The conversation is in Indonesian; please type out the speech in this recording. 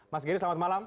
mas gery selamat malam